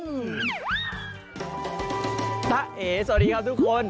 เอ๊สวัสดีครับทุกคน